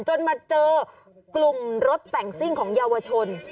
จนมาเจอกลุ่มรถแต่งซิ่งของเยาวชน